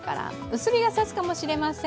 薄日がさすかもしれません。